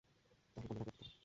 তাহলে বন্ধ না করে পড়তে থাকো।